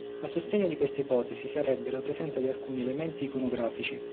A sostegno di questa ipotesi sarebbe la presenza di alcuni elementi iconografici.